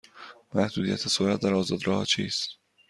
محدودیت سرعت در آزاد راه ها چیست؟